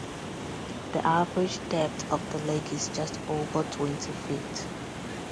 The average depth of the lake is just over twenty feet.